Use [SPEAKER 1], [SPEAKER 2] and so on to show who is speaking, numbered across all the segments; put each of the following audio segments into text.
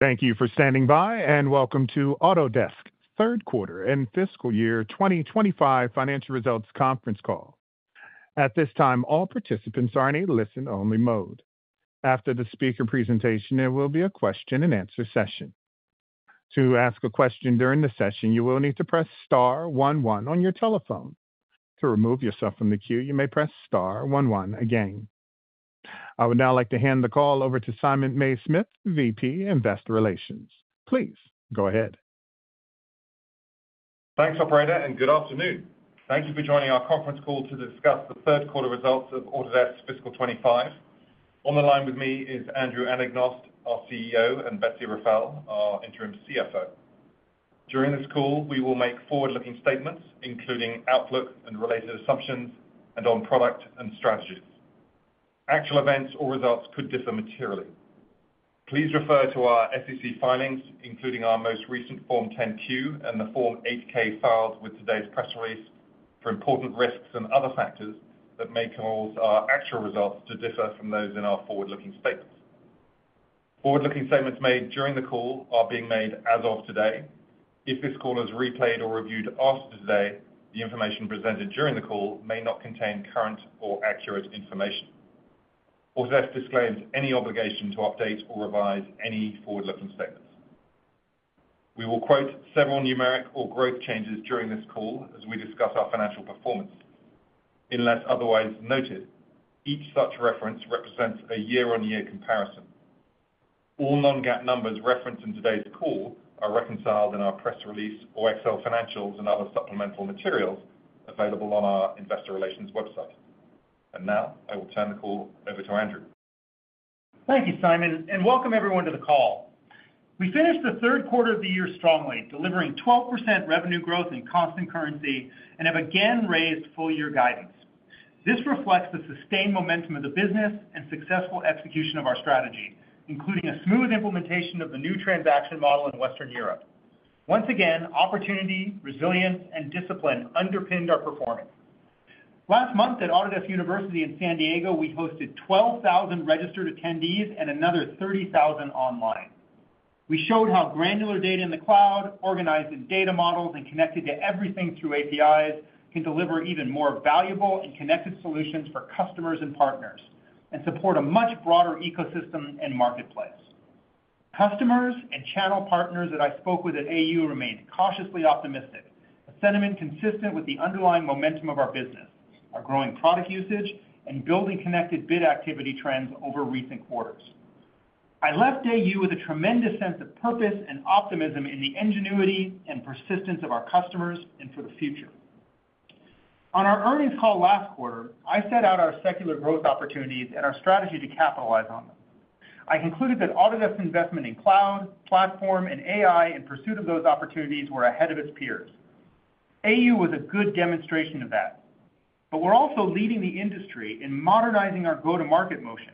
[SPEAKER 1] Thank you for standing by, and welcome to Autodesk third quarter and fiscal year 2025 financial results conference call. At this time, all participants are in a listen-only mode. After the speaker presentation, there will be a question-and-answer session. To ask a question during the session, you will need to press star one one on your telephone. To remove yourself from the queue, you may press star one one again. I would now like to hand the call over to Simon Mays-Smith, VP, Investor Relations. Please go ahead.
[SPEAKER 2] Thanks, Operator, and good afternoon. Thank you for joining our conference call to discuss the third quarter results of Autodesk fiscal 2025. On the line with me is Andrew Anagnost, our CEO, and Betsy Rafael, our interim CFO. During this call, we will make forward-looking statements, including outlook and related assumptions, and on product and strategies. Actual events or results could differ materially. Please refer to our SEC filings, including our most recent Form 10-Q and the Form 8-K filed with today's press release for important risks and other factors that may cause our actual results to differ from those in our forward-looking statements. Forward-looking statements made during the call are being made as of today. If this call is replayed or reviewed after today, the information presented during the call may not contain current or accurate information. Autodesk disclaims any obligation to update or revise any forward-looking statements. We will quote several numeric or growth changes during this call as we discuss our financial performance. Unless otherwise noted, each such reference represents a year-on-year comparison. All non-GAAP numbers referenced in today's call are reconciled in our press release or Excel financials and other supplemental materials available on our Investor Relations website. And now, I will turn the call over to Andrew.
[SPEAKER 3] Thank you, Simon, and welcome everyone to the call. We finished the third quarter of the year strongly, delivering 12% revenue growth in constant currency and have again raised full-year guidance. This reflects the sustained momentum of the business and successful execution of our strategy, including a smooth implementation of the new transaction model in Western Europe. Once again, opportunity, resilience, and discipline underpinned our performance. Last month at Autodesk University in San Diego, we hosted 12,000 registered attendees and another 30,000 online. We showed how granular data in the cloud, organized in data models, and connected to everything through APIs can deliver even more valuable and connected solutions for customers and partners and support a much broader ecosystem and marketplace. Customers and channel partners that I spoke with at AU remained cautiously optimistic, a sentiment consistent with the underlying momentum of our business, our growing product usage, and BuildingConnected bid activity trends over recent quarters. I left AU with a tremendous sense of purpose and optimism in the ingenuity and persistence of our customers and for the future. On our earnings call last quarter, I set out our secular growth opportunities and our strategy to capitalize on them. I concluded that Autodesk's investment in cloud, platform, and AI in pursuit of those opportunities were ahead of its peers. AU was a good demonstration of that. But we're also leading the industry in modernizing our go-to-market motion,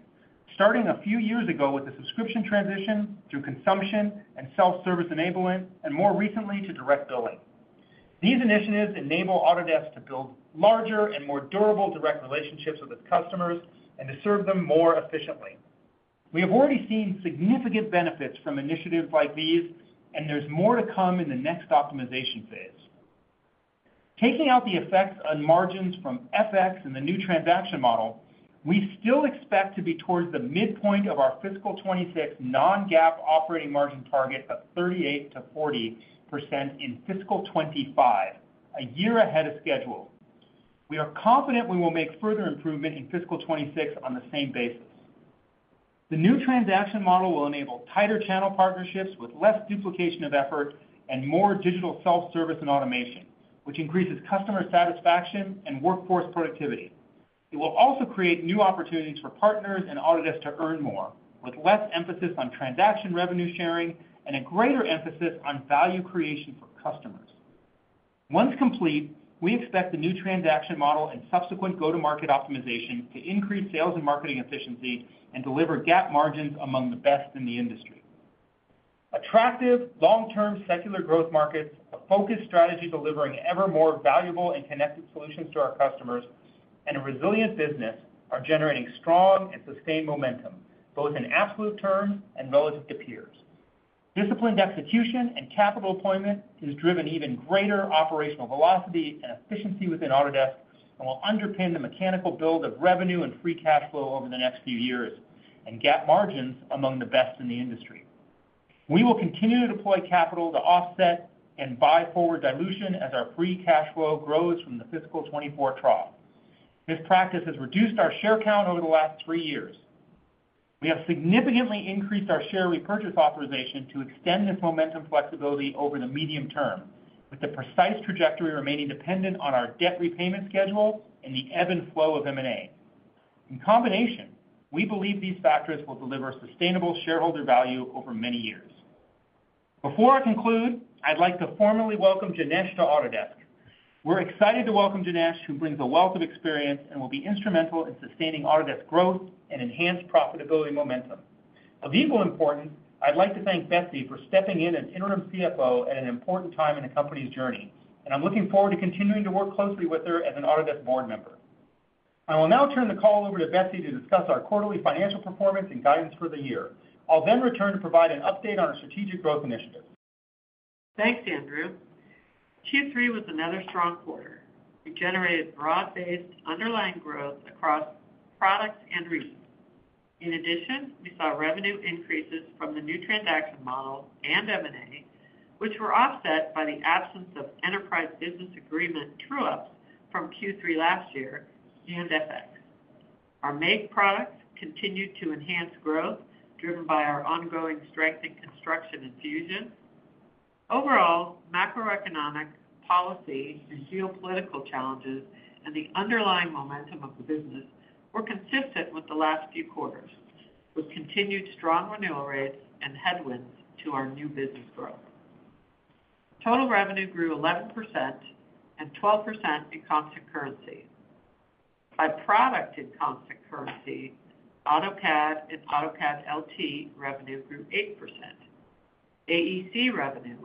[SPEAKER 3] starting a few years ago with the subscription transition through consumption and self-service enablement, and more recently to direct billing. These initiatives enable Autodesk to build larger and more durable direct relationships with its customers and to serve them more efficiently. We have already seen significant benefits from initiatives like these, and there's more to come in the next optimization phase. Taking out the effects on margins from FX and the new transaction model, we still expect to be towards the midpoint of our fiscal 2026 non-GAAP operating margin target of 38%-40% in fiscal 2025, a year ahead of schedule. We are confident we will make further improvement in fiscal 2026 on the same basis. The new transaction model will enable tighter channel partnerships with less duplication of effort and more digital self-service and automation, which increases customer satisfaction and workforce productivity. It will also create new opportunities for partners and Autodesk to earn more, with less emphasis on transaction revenue sharing and a greater emphasis on value creation for customers. Once complete, we expect the new transaction model and subsequent go-to-market optimization to increase sales and marketing efficiency and deliver GAAP margins among the best in the industry. Attractive, long-term secular growth markets, a focused strategy delivering ever more valuable and connected solutions to our customers, and a resilient business are generating strong and sustained momentum, both in absolute terms and relative to peers. Disciplined execution and capital allocation have driven even greater operational velocity and efficiency within Autodesk and will underpin the methodical build of revenue and free cash flow over the next few years and GAAP margins among the best in the industry. We will continue to deploy capital to offset and buy forward dilution as our free cash flow grows from the fiscal 2024 trough. This practice has reduced our share count over the last three years. We have significantly increased our share repurchase authorization to extend this momentum flexibility over the medium term, with the precise trajectory remaining dependent on our debt repayment schedule and the ebb and flow of M&A. In combination, we believe these factors will deliver sustainable shareholder value over many years. Before I conclude, I'd like to formally welcome Janesh to Autodesk. We're excited to welcome Janesh, who brings a wealth of experience and will be instrumental in sustaining Autodesk's growth and enhanced profitability momentum. Of equal importance, I'd like to thank Betsy for stepping in as interim CFO at an important time in the company's journey, and I'm looking forward to continuing to work closely with her as an Autodesk board member. I will now turn the call over to Betsy to discuss our quarterly financial performance and guidance for the year. I'll then return to provide an update on our strategic growth initiatives.
[SPEAKER 4] Thanks, Andrew. Q3 was another strong quarter. We generated broad-based underlying growth across products and regions. In addition, we saw revenue increases from the new transaction model and M&A, which were offset by the absence of enterprise business agreement true-ups from Q3 last year and FX. Our Make products continued to enhance growth driven by our ongoing strength in construction and Fusion. Overall, macroeconomic, policy, and geopolitical challenges and the underlying momentum of the business were consistent with the last few quarters, with continued strong renewal rates and headwinds to our new business growth. Total revenue grew 11% and 12% in constant currency. By product in constant currency, AutoCAD and AutoCAD LT revenue grew 8%. AEC revenue,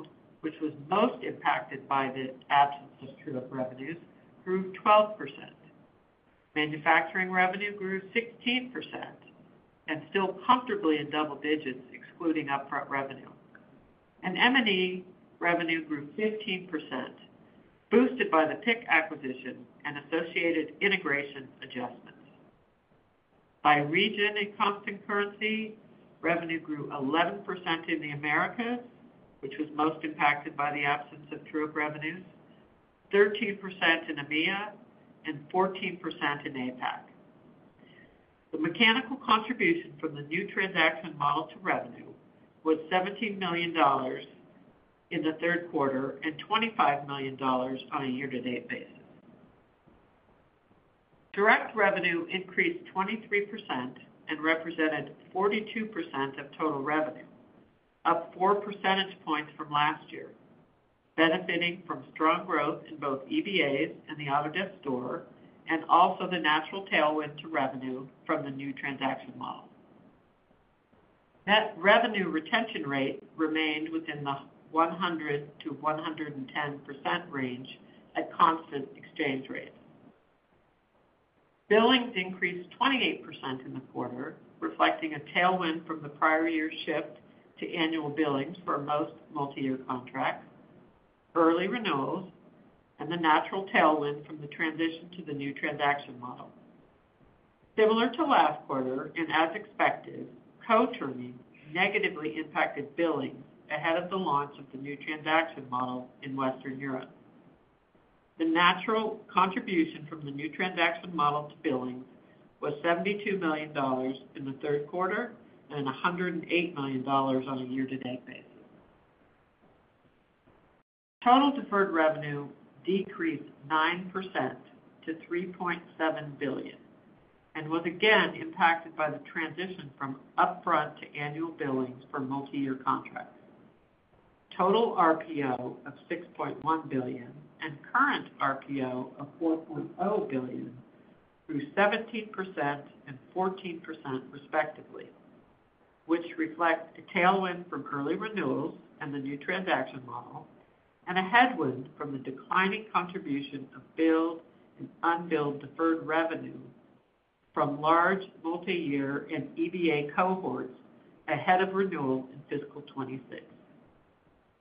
[SPEAKER 4] which was most impacted by the absence of true-up revenues, grew 12%. Manufacturing revenue grew 16% and still comfortably in double digits, excluding upfront revenue. M&E revenue grew 15%, boosted by the PIX acquisition and associated integration adjustments. By region in constant currency, revenue grew 11% in the Americas, which was most impacted by the absence of true-up revenues, 13% in EMEA, and 14% in APAC. The mechanical contribution from the new transaction model to revenue was $17 million in the third quarter and $25 million on a year-to-date basis. Direct revenue increased 23% and represented 42% of total revenue, up 4 percentage points from last year, benefiting from strong growth in both EBAs and the Autodesk Store and also the natural tailwind to revenue from the new transaction model. Net revenue retention rate remained within the 100%-110% range at constant exchange rates. Billings increased 28% in the quarter, reflecting a tailwind from the prior year shift to annual billings for most multi-year contracts, early renewals, and the natural tailwind from the transition to the new transaction model. Similar to last quarter, and as expected, co-terming negatively impacted billings ahead of the launch of the new transaction model in Western Europe. The natural contribution from the new transaction model to billings was $72 million in the third quarter and $108 million on a year-to-date basis. Total deferred revenue decreased 9% to $3.7 billion and was again impacted by the transition from upfront to annual billings for multi-year contracts. Total RPO of $6.1 billion and current RPO of $4.0 billion grew 17% and 14% respectively, which reflects a tailwind from early renewals and the new transaction model and a headwind from the declining contribution of billed and unbilled deferred revenue from large multi-year and EBA cohorts ahead of renewal in Fiscal 26.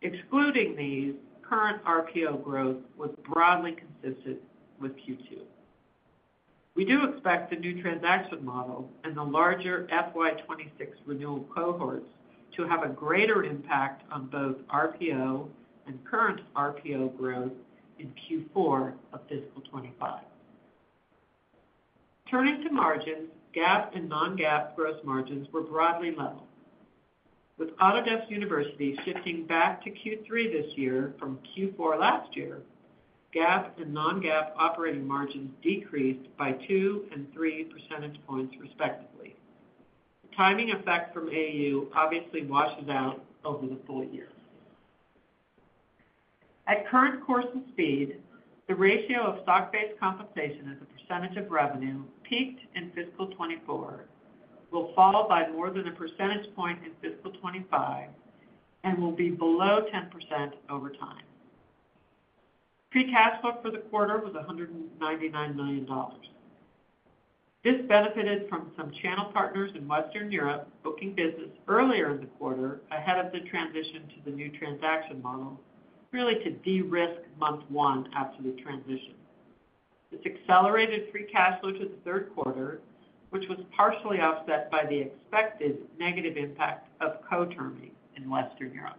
[SPEAKER 4] Excluding these, current RPO growth was broadly consistent with Q2. We do expect the new transaction model and the larger FY 2026 renewal cohorts to have a greater impact on both RPO and current RPO growth in Q4 of fiscal 2025. Turning to margins, GAAP and non-GAAP gross margins were broadly level. With Autodesk University shifting back to Q3 this year from Q4 last year, GAAP and non-GAAP operating margins decreased by 2 and 3 percentage points respectively. The timing effect from AU obviously washes out over the full year. At current course and speed, the ratio of stock-based compensation as a percentage of revenue peaked in fiscal 2024 will fall by more than a percentage point in fiscal 2025 and will be below 10% over time. Free cash flow for the quarter was $199 million. This benefited from some channel partners in Western Europe booking business earlier in the quarter ahead of the transition to the new transaction model, really to de-risk month one after the transition. This accelerated free cash flow to the third quarter, which was partially offset by the expected negative impact of co-terming in Western Europe.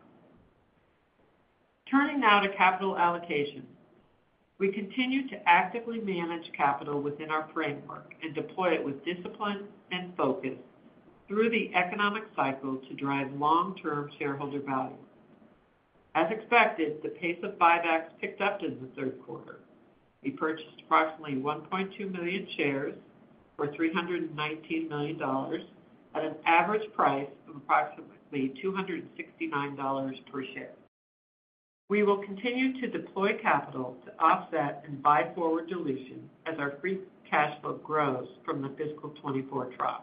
[SPEAKER 4] Turning now to capital allocation, we continue to actively manage capital within our framework and deploy it with discipline and focus through the economic cycle to drive long-term shareholder value. As expected, the pace of buybacks picked up in the third quarter. We purchased approximately 1.2 million shares for $319 million at an average price of approximately $269 per share. We will continue to deploy capital to offset and buy forward dilution as our free cash flow grows from the fiscal 2024 trough.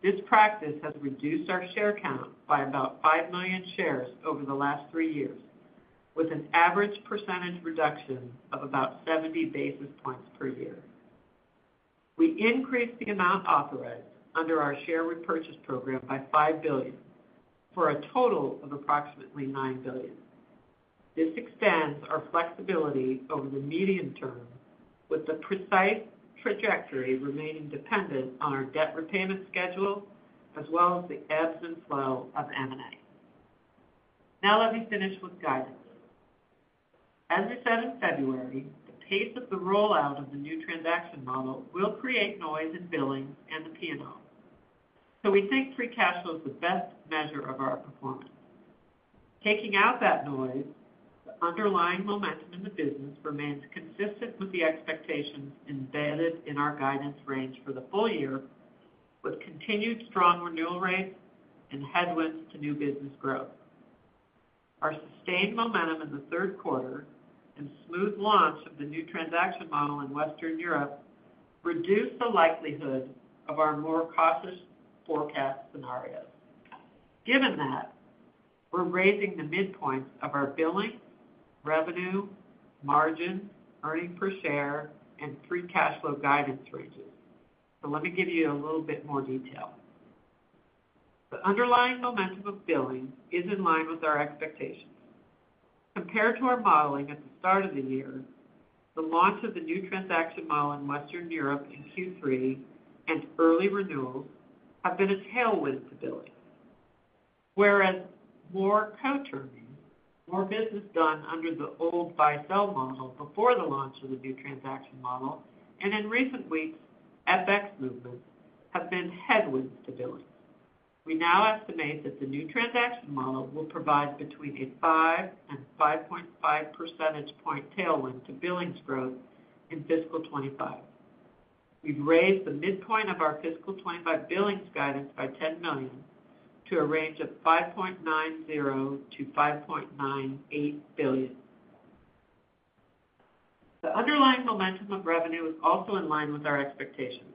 [SPEAKER 4] This practice has reduced our share count by about 5 million shares over the last three years, with an average percentage reduction of about 70 basis points per year. We increased the amount authorized under our share repurchase program by $5 billion for a total of approximately $9 billion. This extends our flexibility over the median term, with the precise trajectory remaining dependent on our debt repayment schedule as well as the ebbs and flows of M&A. Now let me finish with guidance. As we said in February, the pace of the rollout of the new transaction model will create noise in billing and the P&L, so we think free cash flow is the best measure of our performance. Taking out that noise, the underlying momentum in the business remains consistent with the expectations embedded in our guidance range for the full year, with continued strong renewal rates and headwinds to new business growth. Our sustained momentum in the third quarter and smooth launch of the new transaction model in Western Europe reduced the likelihood of our more cautious forecast scenarios. Given that, we're raising the midpoints of our billing, revenue, margins, earnings per share, and free cash flow guidance ranges. So let me give you a little bit more detail. The underlying momentum of billing is in line with our expectations. Compared to our modeling at the start of the year, the launch of the new transaction model in Western Europe in Q3 and early renewals have been a tailwind to billing. Whereas more co-terming, more business done under the old buy-sell model before the launch of the new transaction model, and in recent weeks, FX movements have been headwinds to billing. We now estimate that the new transaction model will provide between a 5 and 5.5 percentage point tailwind to billings growth in fiscal 2025. We've raised the midpoint of our fiscal 2025 billings guidance by $10 million to a range of $5.90 billion-$5.98 billion. The underlying momentum of revenue is also in line with our expectations.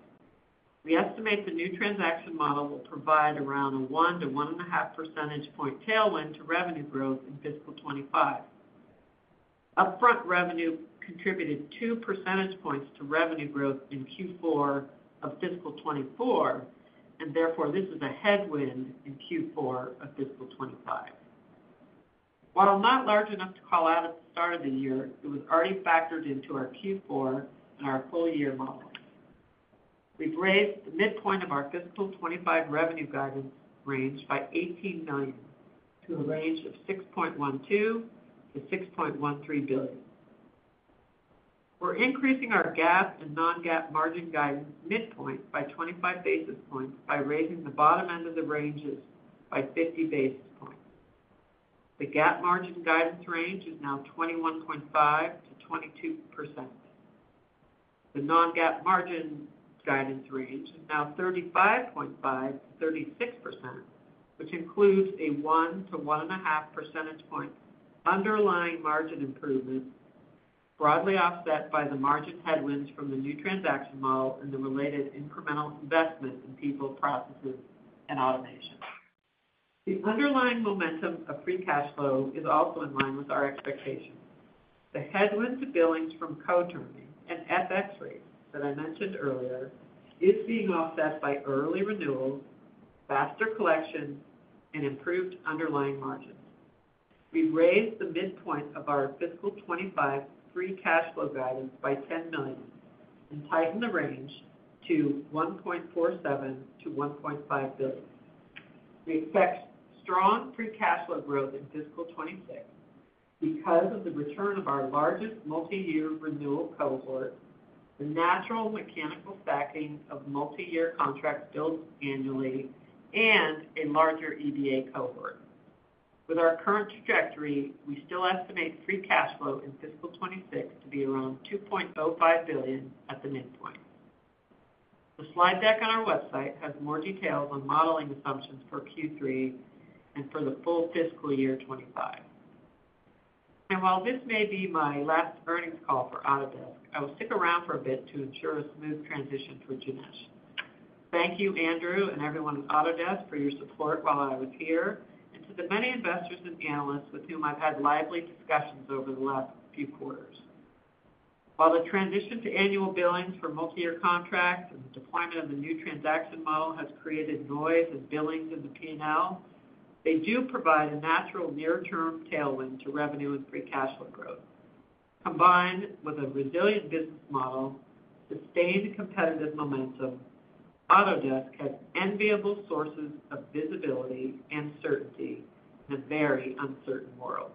[SPEAKER 4] We estimate the new transaction model will provide around a 1-1.5 percentage point tailwind to revenue growth in Fiscal 2025. Upfront revenue contributed 2 percentage points to revenue growth in Q4 of fiscal 2024, and therefore this is a headwind in Q4 of fiscal 2025. While not large enough to call out at the start of the year, it was already factored into our Q4 and our full-year model. We've raised the midpoint of our fiscal 2025 revenue guidance range by $18 million to a range of $6.12 billion-$6.13 billion. We're increasing our GAAP and non-GAAP margin guidance midpoint by 25 basis points by raising the bottom end of the ranges by 50 basis points. The GAAP margin guidance range is now 21.5%-22%. The non-GAAP margin guidance range is now 35.5%-36%, which includes a 1 to 1.5 percentage point underlying margin improvement, broadly offset by the margin headwinds from the new transaction model and the related incremental investment in people, processes, and automation. The underlying momentum of free cash flow is also in line with our expectations. The headwind to billings from co-terming and FX rates that I mentioned earlier is being offset by early renewals, faster collections, and improved underlying margins. We've raised the midpoint of our fiscal 2025 free cash flow guidance by $10 million and tightened the range to $1.47 billion-$1.5 billion. We expect strong free cash flow growth in fiscal 2026 because of the return of our largest multi-year renewal cohort, the natural mechanical stacking of multi-year contracts built annually, and a larger EBA cohort. With our current trajectory, we still estimate free cash flow in fiscal 2026 to be around $2.05 billion at the midpoint. The slide deck on our website has more details on modeling assumptions for Q3 and for the full fiscal year 2025. And while this may be my last earnings call for Autodesk, I will stick around for a bit to ensure a smooth transition for Janesh. Thank you, Andrew and everyone at Autodesk, for your support while I was here, and to the many investors and analysts with whom I've had lively discussions over the last few quarters. While the transition to annual billings for multi-year contracts and the deployment of the new transaction model has created noise in billings and the P&L, they do provide a natural near-term tailwind to revenue and free cash flow growth. Combined with a resilient business model, sustained competitive momentum, Autodesk has enviable sources of visibility and certainty in a very uncertain world.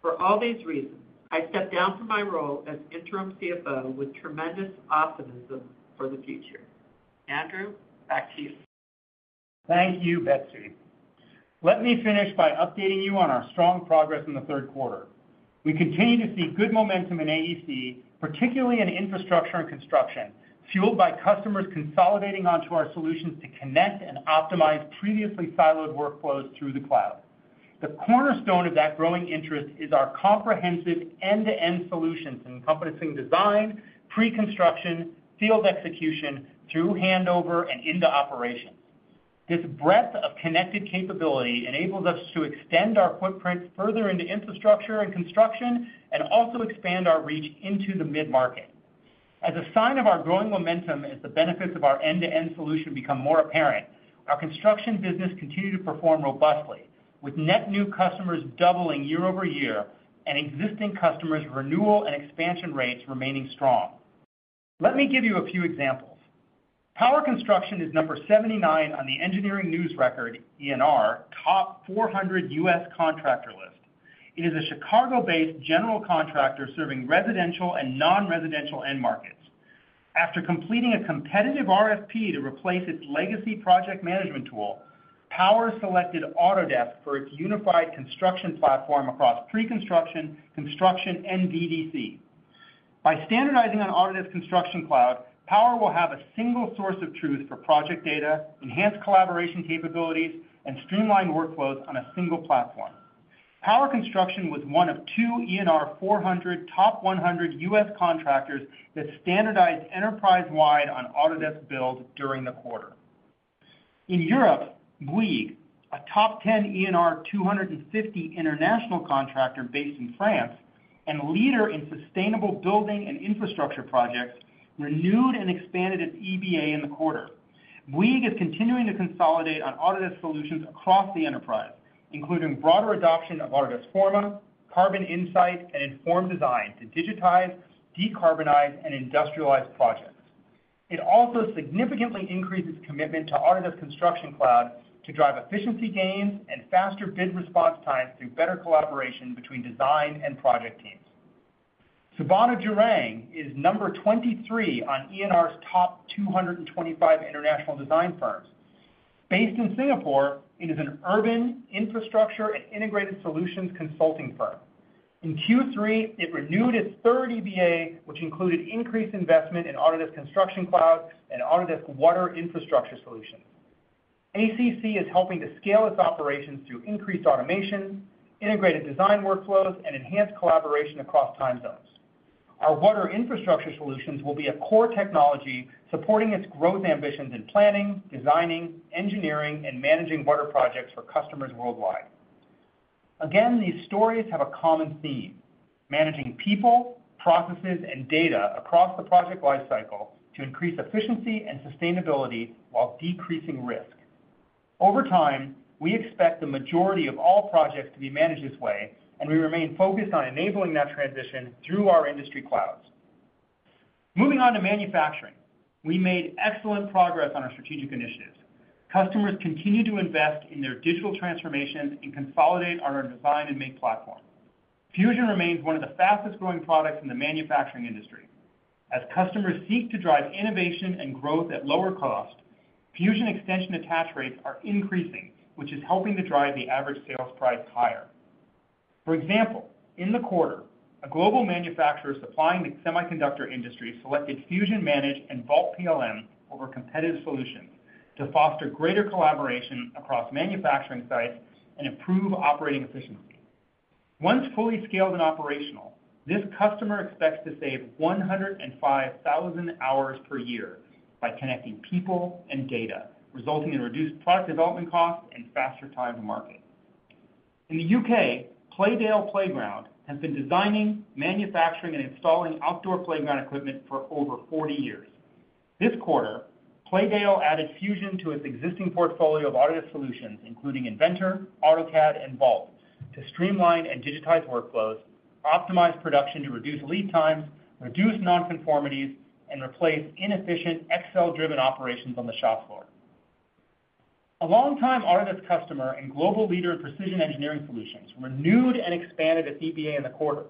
[SPEAKER 4] For all these reasons, I step down from my role as Interim CFO with tremendous optimism for the future. Andrew, back to you.
[SPEAKER 3] Thank you, Betsy. Let me finish by updating you on our strong progress in the third quarter. We continue to see good momentum in AEC, particularly in infrastructure and construction, fueled by customers consolidating onto our solutions to connect and optimize previously siloed workflows through the cloud. The cornerstone of that growing interest is our comprehensive end-to-end solutions encompassing design, pre-construction, field execution, through handover and into operations. This breadth of connected capability enables us to extend our footprint further into infrastructure and construction and also expand our reach into the mid-market. As a sign of our growing momentum as the benefits of our end-to-end solution become more apparent, our construction business continues to perform robustly, with net new customers doubling year over year and existing customers' renewal and expansion rates remaining strong. Let me give you a few examples. Power Construction is number 79 on the Engineering News-Record, ENR, top 400 U.S. contractor list. It is a Chicago-based general contractor serving residential and non-residential end markets. After completing a competitive RFP to replace its legacy project management tool, Power selected Autodesk for its unified construction platform across pre-construction, construction, and VDC. By standardizing on Autodesk Construction Cloud, Power will have a single source of truth for project data, enhanced collaboration capabilities, and streamlined workflows on a single platform. Power Construction was one of two ENR 400 top 100 U.S. contractors that standardized enterprise-wide on Autodesk Build during the quarter. In Europe, Bouygues, a top 10 ENR 250 international contractor based in France and leader in sustainable building and infrastructure projects, renewed and expanded its EBA in the quarter. Bouygues is continuing to consolidate on Autodesk solutions across the enterprise, including broader adoption of Autodesk Forma, Carbon Insight, and Informed Design to digitize, decarbonize, and industrialize projects. It also significantly increases commitment to Autodesk Construction Cloud to drive efficiency gains and faster bid response times through better collaboration between design and project teams. Surbana Jurong is number 23 on ENR's top 225 international design firms. Based in Singapore, it is an urban infrastructure and integrated solutions consulting firm. In Q3, it renewed its third EBA, which included increased investment in Autodesk Construction Cloud and Autodesk Water Infrastructure Solutions. ACC is helping to scale its operations through increased automation, integrated design workflows, and enhanced collaboration across time zones. Our Water Infrastructure Solutions will be a core technology supporting its growth ambitions in planning, designing, engineering, and managing water projects for customers worldwide. Again, these stories have a common theme: managing people, processes, and data across the project lifecycle to increase efficiency and sustainability while decreasing risk. Over time, we expect the majority of all projects to be managed this way, and we remain focused on enabling that transition through our industry clouds. Moving on to manufacturing, we made excellent progress on our strategic initiatives. Customers continue to invest in their digital transformations and consolidate on our Design and Make Platform. Fusion remains one of the fastest-growing products in the manufacturing industry. As customers seek to drive innovation and growth at lower cost, Fusion extension attach rates are increasing, which is helping to drive the average sales price higher. For example, in the quarter, a global manufacturer supplying the semiconductor industry selected Fusion Manage and Vault PLM over competitive solutions to foster greater collaboration across manufacturing sites and improve operating efficiency. Once fully scaled and operational, this customer expects to save 105,000 hours per year by connecting people and data, resulting in reduced product development costs and faster time to market. In the U.K., Playdale Playgrounds has been designing, manufacturing, and installing outdoor playground equipment for over 40 years. This quarter, Playdale added Fusion to its existing portfolio of Autodesk solutions, including Inventor, AutoCAD, and Vault, to streamline and digitize workflows, optimize production to reduce lead times, reduce non-conformities, and replace inefficient Excel-driven operations on the shop floor. A longtime Autodesk customer and global leader in precision engineering solutions renewed and expanded its EBA in the quarter.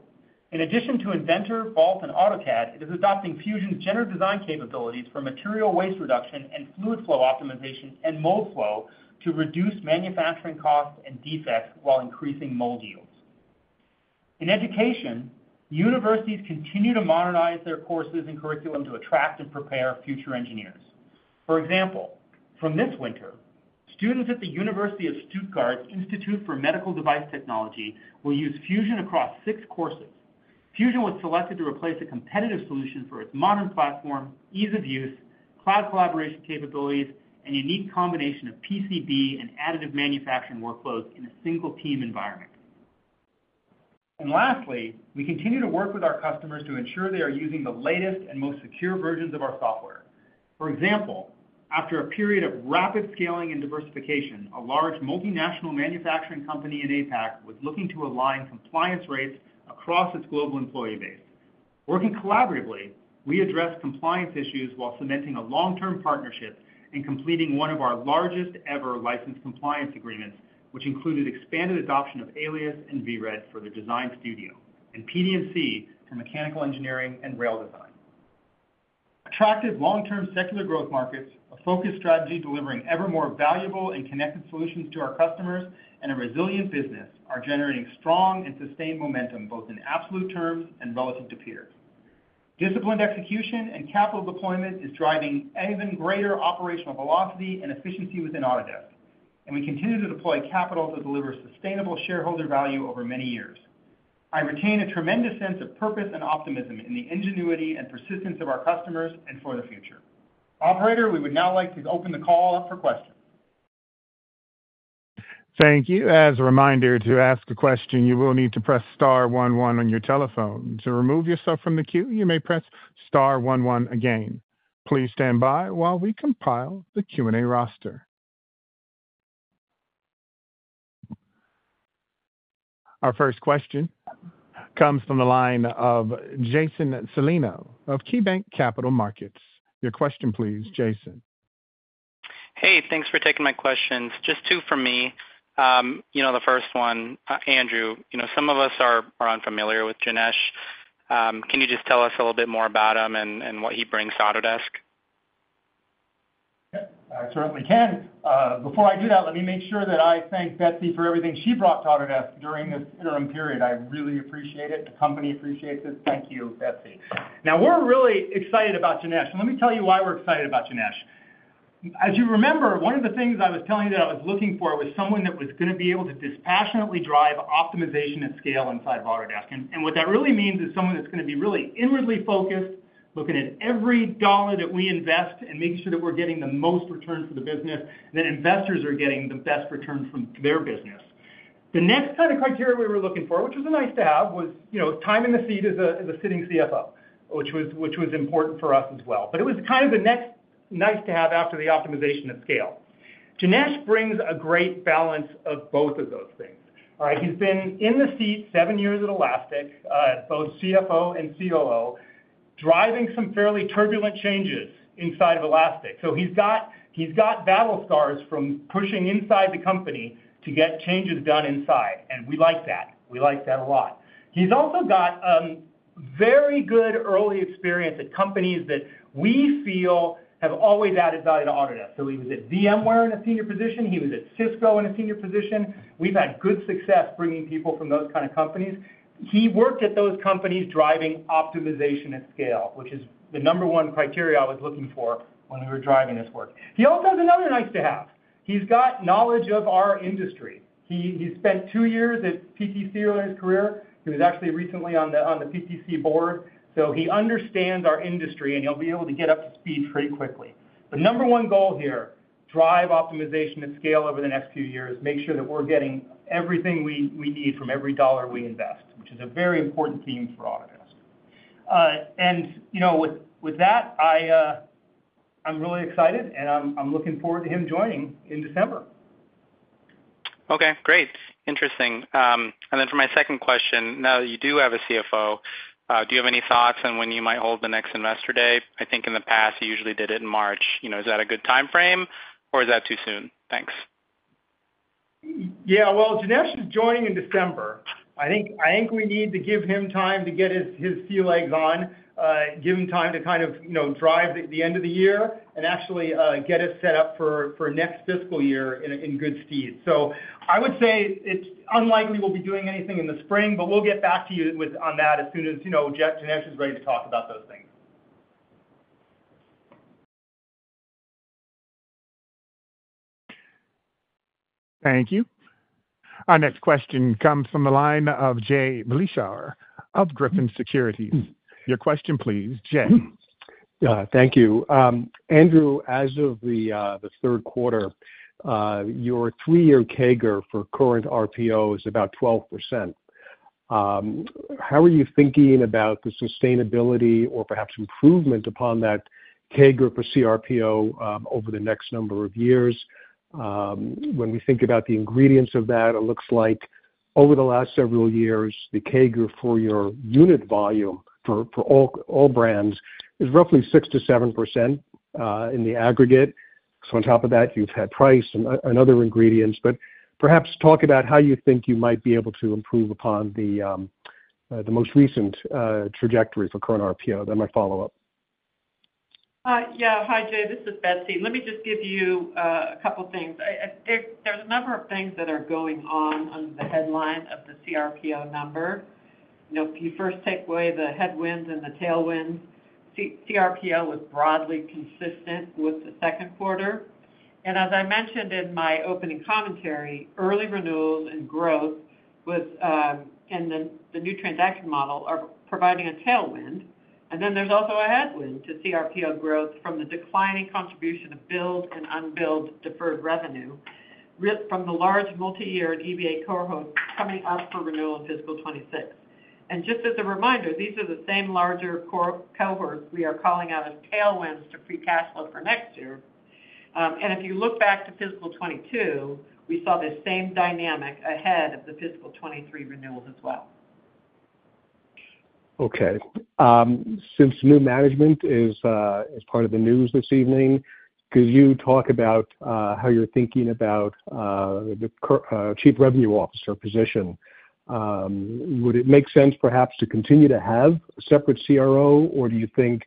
[SPEAKER 3] In addition to Inventor, Vault, and AutoCAD, it is adopting Fusion's generative design capabilities for material waste reduction and fluid flow optimization and Moldflow to reduce manufacturing costs and defects while increasing mold yields. In education, universities continue to modernize their courses and curriculum to attract and prepare future engineers. For example, from this winter, students at the University of Stuttgart Institute for Medical Device Technology will use Fusion across six courses. Fusion was selected to replace a competitive solution for its modern platform, ease of use, cloud collaboration capabilities, and unique combination of PCB and additive manufacturing workflows in a single team environment. And lastly, we continue to work with our customers to ensure they are using the latest and most secure versions of our software. For example, after a period of rapid scaling and diversification, a large multinational manufacturing company in APAC was looking to align compliance rates across its global employee base. Working collaboratively, we addressed compliance issues while cementing a long-term partnership and completing one of our largest-ever licensed compliance agreements, which included expanded adoption of Alias and VRED for the design studio and PDMC for mechanical engineering and rail design. Attractive long-term secular growth markets, a focused strategy delivering ever more valuable and connected solutions to our customers, and a resilient business are generating strong and sustained momentum both in absolute terms and relative to peers. Disciplined execution and capital deployment is driving even greater operational velocity and efficiency within Autodesk, and we continue to deploy capital to deliver sustainable shareholder value over many years. I retain a tremendous sense of purpose and optimism in the ingenuity and persistence of our customers and for the future. Operator, we would now like to open the call up for questions. Thank you.
[SPEAKER 1] As a reminder to ask a question, you will need to press star one one on your telephone. To remove yourself from the queue, you may press star one one again. Please stand by while we compile the Q&A roster. Our first question comes from the line of Jason Celino of KeyBanc Capital Markets. Your question, please, Jason.
[SPEAKER 5] Hey, thanks for taking my questions. Just two from me. You know the first one, Andrew, you know some of us are unfamiliar with Janesh. Can you just tell us a little bit more about him and what he brings to Autodesk?
[SPEAKER 3] I certainly can. Before I do that, let me make sure that I thank Betsy for everything she brought to Autodesk during this interim period. I really appreciate it. The company appreciates it. Thank you, Betsy. Now, we're really excited about Janesh, and let me tell you why we're excited about Janesh. As you remember, one of the things I was telling you that I was looking for was someone that was going to be able to dispassionately drive optimization at scale inside of Autodesk. And what that really means is someone that's going to be really inwardly focused, looking at every dollar that we invest and making sure that we're getting the most return for the business, that investors are getting the best return from their business. The next kind of criteria we were looking for, which was a nice to have, was time in the seat as a sitting CFO, which was important for us as well. But it was kind of the next nice to have after the optimization at scale. Janesh brings a great balance of both of those things. All right, he's been in the seat seven years at Elastic, both CFO and COO, driving some fairly turbulent changes inside of Elastic. So he's got battle scars from pushing inside the company to get changes done inside. And we like that. We like that a lot. He's also got very good early experience at companies that we feel have always added value to Autodesk. So he was at VMware in a senior position. He was at Cisco in a senior position. We've had good success bringing people from those kinds of companies. He worked at those companies driving optimization at scale, which is the number one criteria I was looking for when we were driving this work. He also has another nice to have. He's got knowledge of our industry. He spent two years at PTC earlier in his career. He was actually recently on the PTC board. He understands our industry, and he'll be able to get up to speed pretty quickly. The number one goal here: drive optimization at scale over the next few years, make sure that we're getting everything we need from every dollar we invest, which is a very important theme for Autodesk. And with that, I'm really excited, and I'm looking forward to him joining in December.
[SPEAKER 5] Okay, great. Interesting. And then for my second question, now that you do have a CFO, do you have any thoughts on when you might hold the next Investor Day? I think in the past, you usually did it in March. Is that a good time frame, or is that too soon? Thanks.
[SPEAKER 3] Yeah, well, Janesh is joining in December. I think we need to give him time to get his sea legs on, give him time to kind of drive the end of the year and actually get us set up for next fiscal year in good stead. So I would say it's unlikely we'll be doing anything in the spring, but we'll get back to you on that as soon as Janesh is ready to talk about those things.
[SPEAKER 1] Thank you. Our next question comes from the line of Jay Vleeschhouwer of Griffin Securities. Your question, please, Jay.
[SPEAKER 6] Thank you. Andrew, as of the third quarter, your three-year CAGR for current RPO is about 12%. How are you thinking about the sustainability or perhaps improvement upon that CAGR for CRPO over the next number of years? When we think about the ingredients of that, it looks like over the last several years, the CAGR for your unit volume for all brands is roughly 6%-7% in the aggregate. So on top of that, you've had price and other ingredients. But perhaps talk about how you think you might be able to improve upon the most recent trajectory for current RPO. That might follow up.
[SPEAKER 4] Yeah, hi, Jay. This is Betsy. Let me just give you a couple of things. There's a number of things that are going on under the headline of the CRPO number. If you first take away the headwinds and the tailwinds, CRPO was broadly consistent with the second quarter. And as I mentioned in my opening commentary, early renewals and growth and the new transaction model are providing a tailwind. There's also a headwind to CRPO growth from the declining contribution of billed and unbilled deferred revenue from the large multi-year EBA cohort coming up for renewal in fiscal 2026. Just as a reminder, these are the same larger cohorts we are calling out as tailwinds to free cash flow for next year. If you look back to fiscal 2022, we saw the same dynamic ahead of the fiscal 2023 renewals as well.
[SPEAKER 6] Okay. Since new management is part of the news this evening, could you talk about how you're thinking about the Chief Revenue Officer position? Would it make sense perhaps to continue to have a separate CRO, or do you think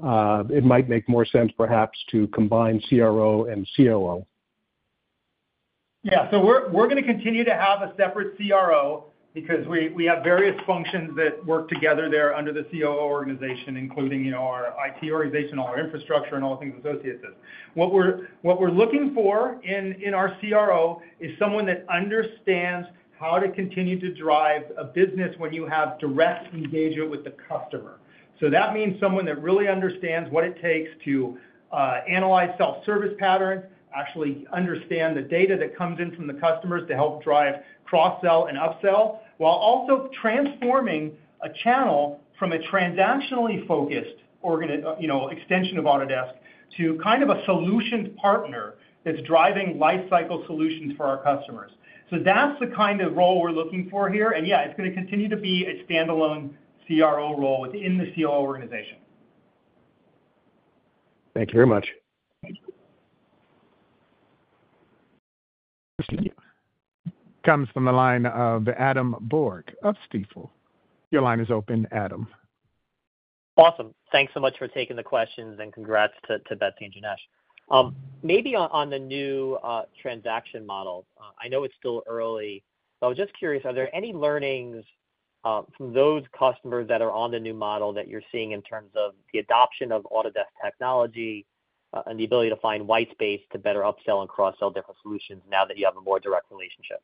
[SPEAKER 6] it might make more sense perhaps to combine CRO and COO?
[SPEAKER 3] Yeah, so we're going to continue to have a separate CRO because we have various functions that work together there under the COO organization, including our IT organization, all our infrastructure, and all the things associated with this. What we're looking for in our CRO is someone that understands how to continue to drive a business when you have direct engagement with the customer. So that means someone that really understands what it takes to analyze self-service patterns, actually understand the data that comes in from the customers to help drive cross-sell and upsell, while also transforming a channel from a transactionally focused extension of Autodesk to kind of a solutions partner that's driving lifecycle solutions for our customers. So that's the kind of role we're looking for here. And yeah, it's going to continue to be a standalone CRO role within the COO organization.
[SPEAKER 6] Thank you very much.
[SPEAKER 1] Comes from the line of Adam Borg of Stifel. Your line is open, Adam.
[SPEAKER 7] Awesome. Thanks so much for taking the questions and congrats to Betsy and Janesh. Maybe on the new transaction model, I know it's still early, but I was just curious, are there any learnings from those customers that are on the new model that you're seeing in terms of the adoption of Autodesk technology and the ability to find white space to better upsell and cross-sell different solutions now that you have a more direct relationship?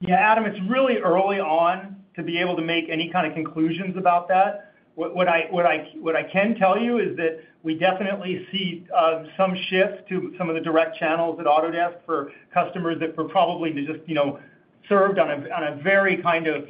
[SPEAKER 3] Yeah, Adam, it's really early on to be able to make any kind of conclusions about that. What I can tell you is that we definitely see some shift to some of the direct channels at Autodesk for customers that were probably just served on a very kind of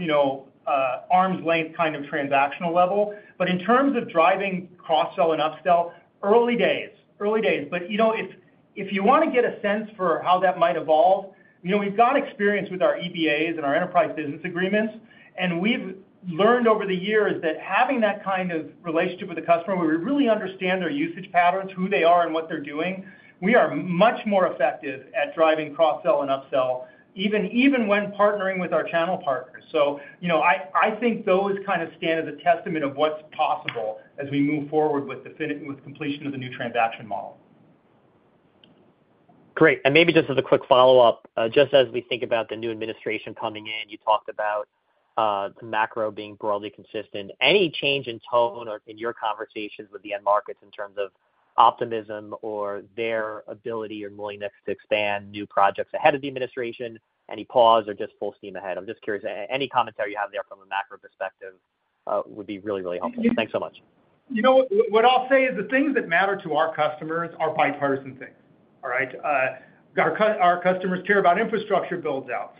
[SPEAKER 3] arm's length kind of transactional level. But in terms of driving cross-sell and upsell, early days, early days. But if you want to get a sense for how that might evolve, we've got experience with our EBAs and our enterprise business agreements. And we've learned over the years that having that kind of relationship with the customer where we really understand their usage patterns, who they are, and what they're doing, we are much more effective at driving cross-sell and upsell, even when partnering with our channel partners. So I think those kind of stand as a testament of what's possible as we move forward with completion of the new transaction model.
[SPEAKER 7] Great. And maybe just as a quick follow-up, just as we think about the new administration coming in, you talked about the macro being broadly consistent. Any change in tone in your conversations with the end markets in terms of optimism or their ability or willingness to expand new projects ahead of the administration? Any pause or just full steam ahead? I'm just curious. Any commentary you have there from a macro perspective would be really, really helpful. Thanks so much.
[SPEAKER 3] You know what I'll say is the things that matter to our customers are bipartisan things. All right? Our customers care about infrastructure buildouts.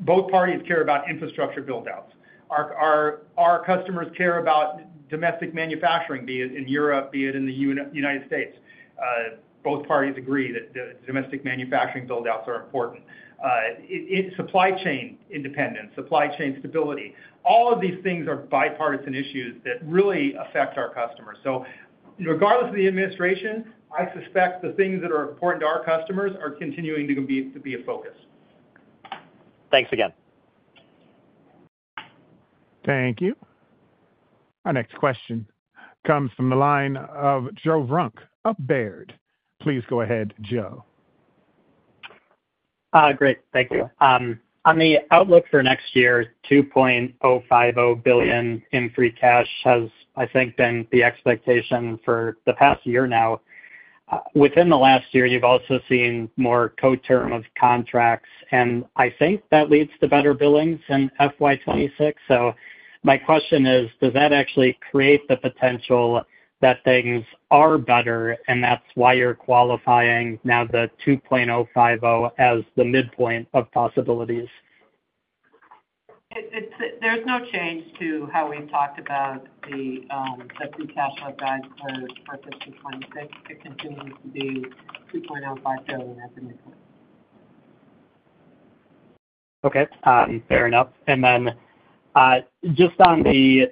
[SPEAKER 3] Both parties care about infrastructure buildouts. Our customers care about domestic manufacturing, be it in Europe, be it in the United States. Both parties agree that domestic manufacturing buildouts are important. Supply chain independence, supply chain stability, all of these things are bipartisan issues that really affect our customers. So regardless of the administration, I suspect the things that are important to our customers are continuing to be a focus.
[SPEAKER 7] Thanks again.
[SPEAKER 1] Thank you. Our next question comes from the line of Joe Vruwink of Baird. Please go ahead, Joe.
[SPEAKER 8] Great. Thank you. On the outlook for next year, $2.05 billion in free cash flow, I think, has been the expectation for the past year now. Within the last year, you've also seen more co-terming of contracts. And I think that leads to better billings in FY 2026. So my question is, does that actually create the potential that things are better, and that's why you're qualifying now the $2.05 billion as the midpoint of possibilities?
[SPEAKER 4] There's no change to how we've talked about the free cash flow upside for fiscal 2026. It continues to be $2.05 billion at the midpoint.
[SPEAKER 8] Okay. Fair enough. And then just on the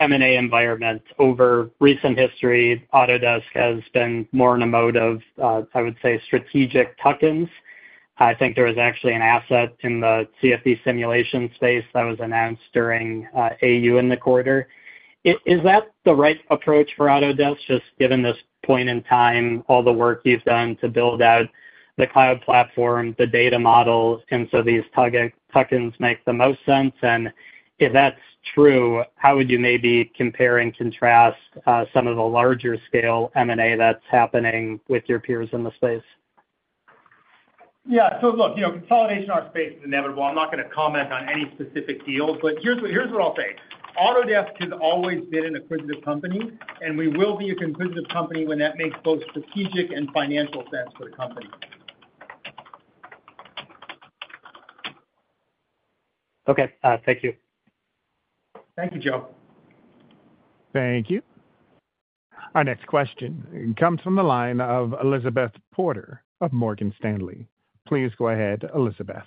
[SPEAKER 8] M&A environment, over recent history, Autodesk has been more in a mode of, I would say, strategic tuck-ins. I think there was actually an asset in the CFD simulation space that was announced during AU in the quarter. Is that the right approach for Autodesk, just given this point in time, all the work you've done to build out the cloud platform, the data model, and so these tuck-ins make the most sense, and if that's true, how would you maybe compare and contrast some of the larger scale M&A that's happening with your peers in the space?
[SPEAKER 3] Yeah. So look, consolidation in our space is inevitable. I'm not going to comment on any specific deals, but here's what I'll say. Autodesk has always been an acquisitive company, and we will be an acquisitive company when that makes both strategic and financial sense for the company.
[SPEAKER 8] Okay. Thank you.
[SPEAKER 3] Thank you, Joe.
[SPEAKER 1] Thank you. Our next question comes from the line of Elizabeth Porter of Morgan Stanley. Please go ahead, Elizabeth.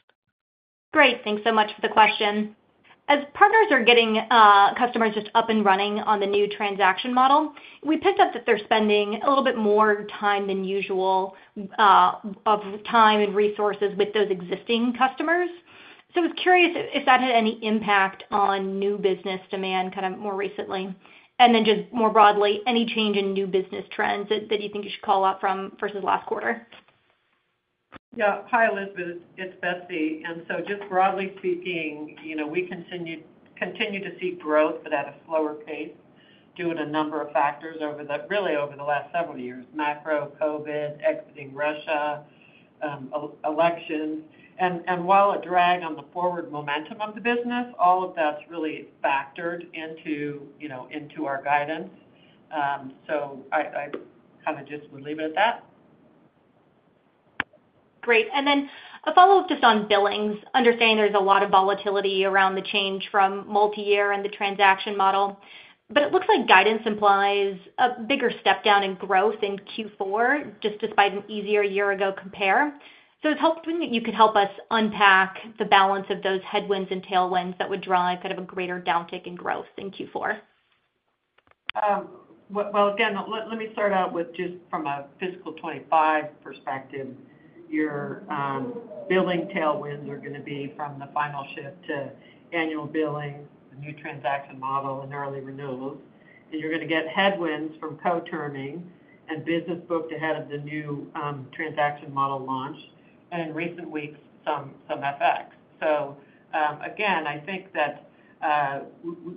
[SPEAKER 9] Great. Thanks so much for the question. As partners are getting customers just up and running on the new transaction model, we picked up that they're spending a little bit more time than usual of time and resources with those existing customers. So I was curious if that had any impact on new business demand kind of more recently. And then just more broadly, any change in new business trends that you think you should call out from versus last quarter?
[SPEAKER 4] Yeah. Hi, Elizabeth. It's Betsy. And so just broadly speaking, we continue to see growth, but at a slower pace due to a number of factors really over the last several years: macro, COVID, exiting Russia, elections. And while a drag on the forward momentum of the business, all of that's really factored into our guidance. I kind of just would leave it at that.
[SPEAKER 9] Great. And then a follow-up just on billings, understanding there's a lot of volatility around the change from multi-year and the transaction model. But it looks like guidance implies a bigger step down in growth in Q4, just despite an easier year-ago compare. So it'd be helpful if you could help us unpack the balance of those headwinds and tailwinds that would drive kind of a greater downtick in growth in Q4.
[SPEAKER 4] Well, again, let me start out with just from a fiscal 2025 perspective. Our billing tailwinds are going to be from the final shift to annual billing, the new transaction model, and early renewals. And we're going to get headwinds from co-terming and business booked ahead of the new transaction model launch and in recent weeks, some FX. So again, I think that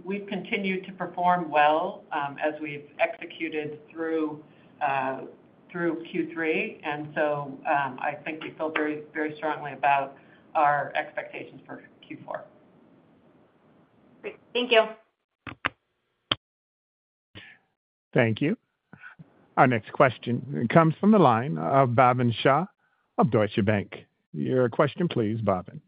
[SPEAKER 4] we've continued to perform well as we've executed through Q3. And so I think we feel very strongly about our expectations for Q4.
[SPEAKER 9] Great. Thank you.
[SPEAKER 1] Thank you. Our next question comes from the line of Bhavin Shah of Deutsche Bank. Your question, please, Bhavin.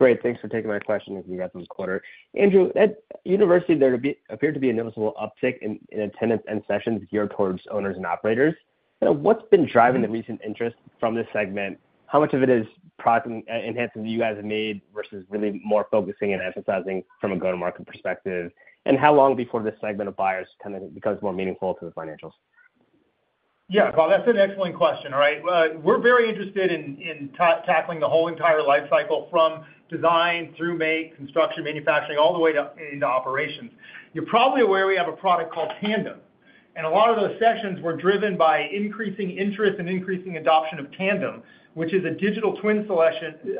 [SPEAKER 10] Great. Thanks for taking my question in the quarter. Andrew, at University, there appeared to be a noticeable uptick in attendance and sessions geared towards owners and operators. What's been driving the recent interest from this segment? How much of it is enhancements that you guys have made versus really more focusing and emphasizing from a go-to-market perspective? And how long before this segment of buyers kind of becomes more meaningful to the financials?
[SPEAKER 3] Yeah. Well, that's an excellent question. All right. We're very interested in tackling the whole entire life cycle from design through make, construction, manufacturing, all the way into operations. You're probably aware we have a product called Tandem, and a lot of those sessions were driven by increasing interest and increasing adoption of Tandem, which is a digital twin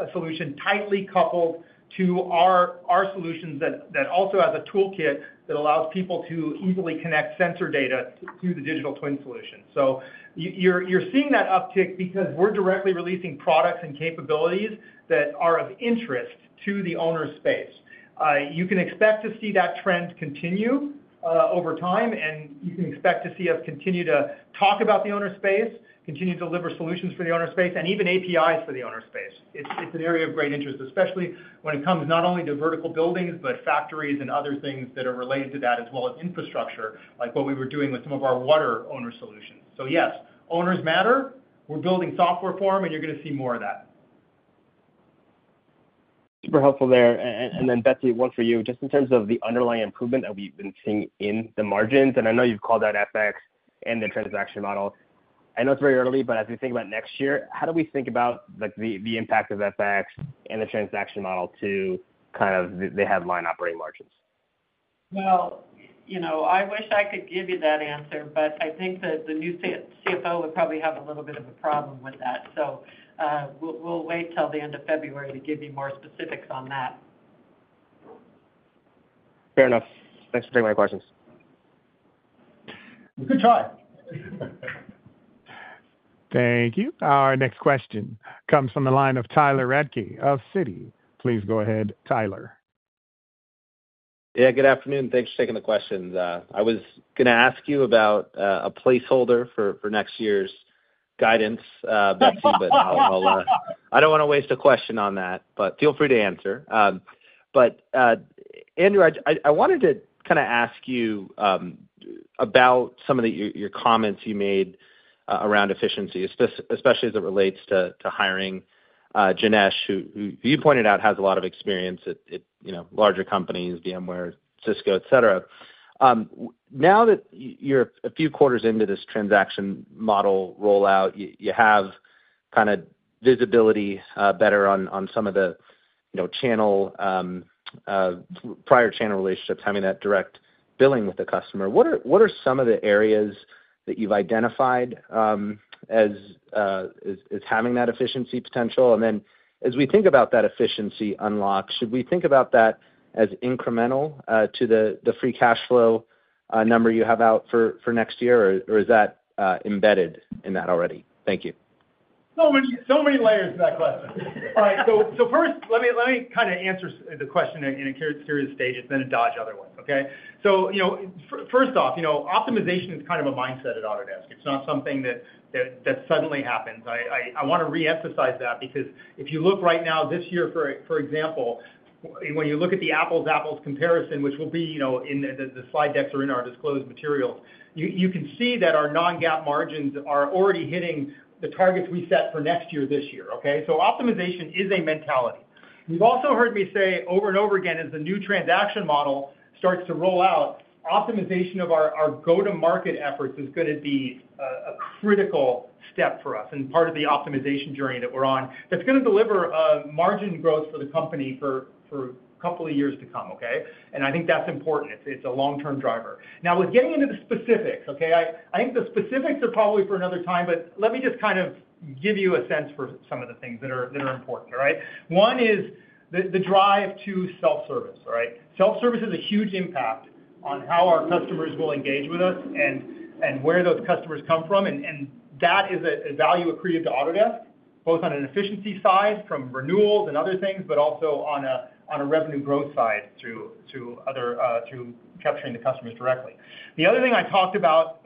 [SPEAKER 3] solution tightly coupled to our solutions that also has a toolkit that allows people to easily connect sensor data to the digital twin solution, so you're seeing that uptick because we're directly releasing products and capabilities that are of interest to the owner's space. You can expect to see that trend continue over time, and you can expect to see us continue to talk about the owner's space, continue to deliver solutions for the owner's space, and even APIs for the owner's space. It's an area of great interest, especially when it comes not only to vertical buildings, but factories and other things that are related to that, as well as infrastructure, like what we were doing with some of our water infrastructure solutions. So yes, owners matter. We're building software for them, and you're going to see more of that.
[SPEAKER 10] Super helpful there. And then, Betsy, one for you. Just in terms of the underlying improvement that we've been seeing in the margins, and I know you've called out FX and the transaction model. I know it's very early, but as we think about next year, how do we think about the impact of FX and the transaction model to kind of the headline operating margins?
[SPEAKER 4] Well, I wish I could give you that answer, but I think that the new CFO would probably have a little bit of a problem with that. So we'll wait till the end of February to give you more specifics on that.
[SPEAKER 10] Fair enough. Thanks for taking my questions.
[SPEAKER 3] Good try.
[SPEAKER 1] Thank you. Our next question comes from the line of Tyler Radke of Citi. Please go ahead, Tyler.
[SPEAKER 11] Yeah. Good afternoon. Thanks for taking the question. I was going to ask you about a placeholder for next year's guidance. I don't want to waste a question on that, but feel free to answer. But Andrew, I wanted to kind of ask you about some of your comments you made around efficiency, especially as it relates to hiring Janesh, who you pointed out has a lot of experience at larger companies, VMware, Cisco, etc. Now that you're a few quarters into this transaction model rollout, you have kind of visibility better on some of the prior channel relationships, having that direct billing with the customer. What are some of the areas that you've identified as having that efficiency potential? And then as we think about that efficiency unlock, should we think about that as incremental to the free cash flow number you have out for next year, or is that embedded in that already? Thank you.
[SPEAKER 3] So many layers to that question. All right. So first, let me kind of answer the question in broad strokes, and then dodge other ones. Okay? So first off, optimization is kind of a mindset at Autodesk. It's not something that suddenly happens. I want to reemphasize that because if you look right now, this year, for example, when you look at the apples-apples comparison, which will be in the slide decks or in our disclosed materials, you can see that our non-GAAP margins are already hitting the targets we set for next year this year. Okay? So optimization is a mentality. You've also heard me say over and over again, as the new transaction model starts to roll out, optimization of our go-to-market efforts is going to be a critical step for us and part of the optimization journey that we're on that's going to deliver margin growth for the company for a couple of years to come. Okay? And I think that's important. It's a long-term driver. Now, with getting into the specifics, okay, I think the specifics are probably for another time, but let me just kind of give you a sense for some of the things that are important. All right? One is the drive to self-service. All right? Self-service has a huge impact on how our customers will engage with us and where those customers come from. And that is a value accredited to Autodesk, both on an efficiency side from renewals and other things, but also on a revenue growth side through capturing the customers directly. The other thing I talked about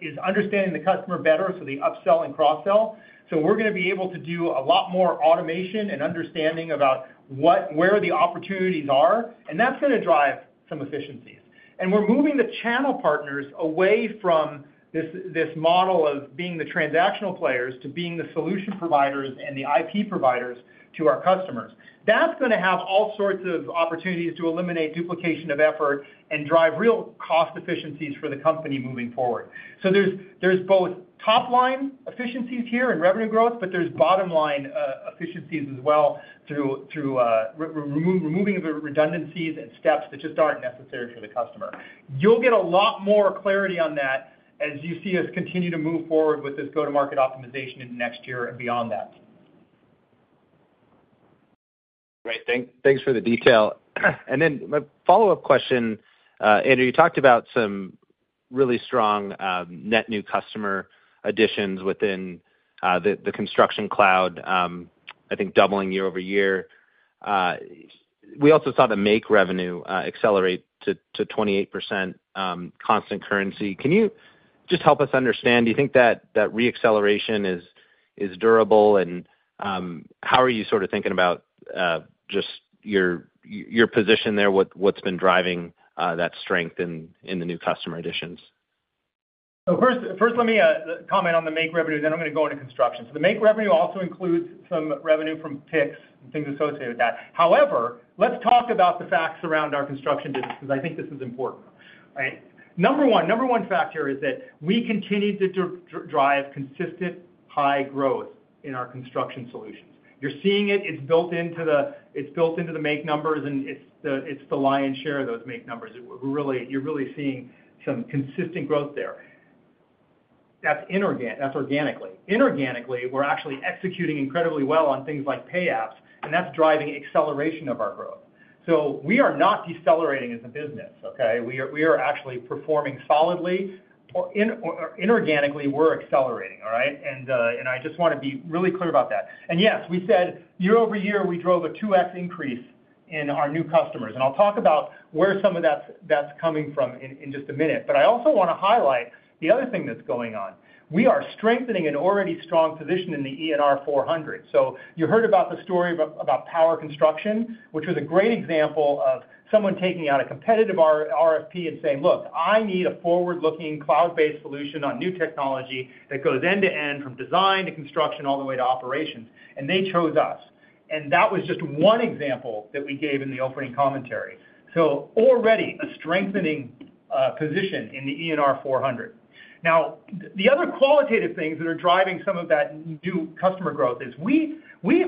[SPEAKER 3] is understanding the customer better, so the upsell and cross-sell. So we're going to be able to do a lot more automation and understanding about where the opportunities are, and that's going to drive some efficiencies. We're moving the channel partners away from this model of being the transactional players to being the solution providers and the IP providers to our customers. That's going to have all sorts of opportunities to eliminate duplication of effort and drive real cost efficiencies for the company moving forward. So there's both top-line efficiencies here in revenue growth, but there's bottom-line efficiencies as well through removing the redundancies and steps that just aren't necessary for the customer. You'll get a lot more clarity on that as you see us continue to move forward with this go-to-market optimization in next year and beyond that.
[SPEAKER 11] Great. Thanks for the detail. Then my follow-up question, Andrew, you talked about some really strong net new customer additions within the Construction Cloud, I think doubling year-over-year. We also saw the Make revenue accelerate to 28% constant currency. Can you just help us understand? Do you think that re-acceleration is durable? And how are you sort of thinking about just your position there, what's been driving that strength in the new customer additions?
[SPEAKER 3] So first, let me comment on the Make revenue, then I'm going to go into construction. So the Make revenue also includes some revenue from PIX and things associated with that. However, let's talk about the facts around our construction business because I think this is important. Number one factor is that we continue to drive consistent high growth in our construction solutions. You're seeing it. It's built into the Make numbers, and it's the lion's share of those Make numbers. You're really seeing some consistent growth there. That's organically. Inorganically, we're actually executing incredibly well on things like Payapps, and that's driving acceleration of our growth. So we are not decelerating as a business. Okay? We are actually performing solidly. Inorganically, we're accelerating. All right? And I just want to be really clear about that. And yes, we said year over year, we drove a 2x increase in our new customers. And I'll talk about where some of that's coming from in just a minute. But I also want to highlight the other thing that's going on. We are strengthening an already strong position in the ENR 400. So you heard about the story about Power Construction, which was a great example of someone taking out a competitive RFP and saying, "Look, I need a forward-looking cloud-based solution on new technology that goes end-to-end from design to construction all the way to operations." And they chose us. And that was just one example that we gave in the opening commentary. Already a strengthening position in the ENR 400. Now, the other qualitative things that are driving some of that new customer growth is we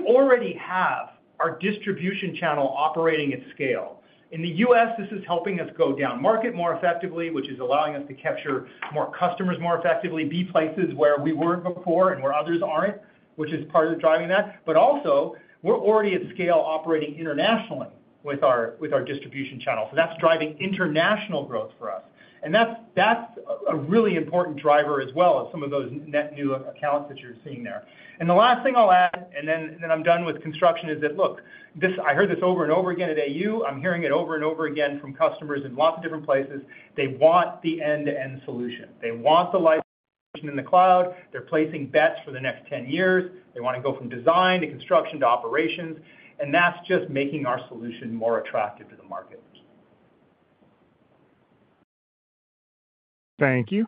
[SPEAKER 3] already have our distribution channel operating at scale. In the U.S., this is helping us go down market more effectively, which is allowing us to capture more customers more effectively, be places where we weren't before and where others aren't, which is part of driving that. But also, we're already at scale operating internationally with our distribution channel. So that's driving international growth for us. And that's a really important driver as well of some of those net new accounts that you're seeing there. And the last thing I'll add, and then I'm done with construction, is that, look, I heard this over and over again at AU. I'm hearing it over and over again from customers in lots of different places. They want the end-to-end solution. They want the license in the cloud. They're placing bets for the next 10 years. They want to go from design to construction to operations. And that's just making our solution more attractive to the market.
[SPEAKER 1] Thank you.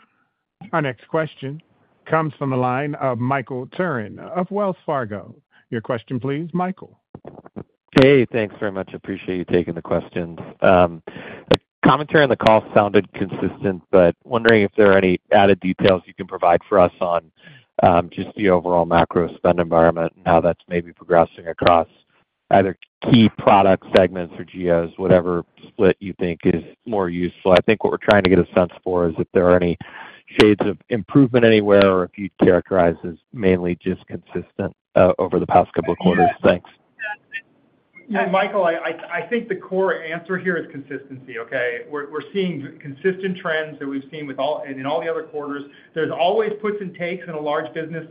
[SPEAKER 1] Our next question comes from the line of Michael Turrin of Wells Fargo. Your question, please, Michael.
[SPEAKER 12] Hey, thanks very much. Appreciate you taking the questions. The commentary on the call sounded consistent, but wondering if there are any added details you can provide for us on just the overall macro spend environment and how that's maybe progressing across either key product segments or geos, whatever split you think is more useful. I think what we're trying to get a sense for is if there are any shades of improvement anywhere or if you'd characterize as mainly just consistent over the past couple of quarters. Thanks.
[SPEAKER 3] Michael, I think the core answer here is consistency. Okay? We're seeing consistent trends that we've seen in all the other quarters. There's always puts and takes in a large business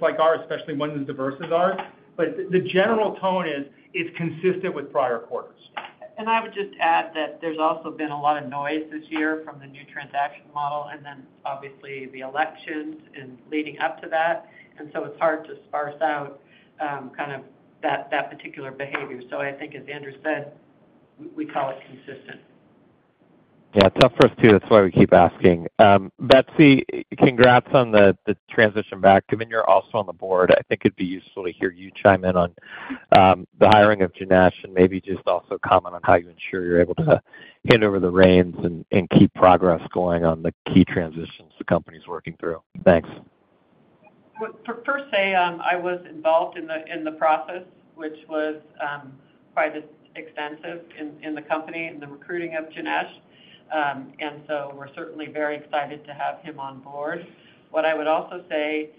[SPEAKER 3] like ours, especially ones as diverse as ours. But the general tone is it's consistent with prior quarters.
[SPEAKER 4] And I would just add that there's also been a lot of noise this year from the new transaction model and then, obviously, the elections and leading up to that. And so it's hard to parse out kind of that particular behavior. So I think, as Andrew said, we call it consistent.
[SPEAKER 12] Yeah. Tough for us too. That's why we keep asking. Betsy, congrats on the transition back. Given you're also on the board, I think it'd be useful to hear you chime in on the hiring of Janesh and maybe just also comment on how you ensure you're able to hand over the reins and keep progress going on the key transitions the company's working through. Thanks.
[SPEAKER 4] First, I was involved in the process, which was quite extensive in the company and the recruiting of Janesh, and so we're certainly very excited to have him on board. What I would also say